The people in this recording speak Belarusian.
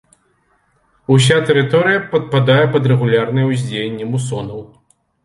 Уся тэрыторыя падпадае пад рэгулярнае ўздзеянне мусонаў.